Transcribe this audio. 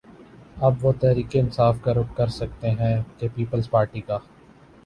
اب وہ تحریک انصاف کا رخ کر سکتے ہیں کہ پیپلز پارٹی کا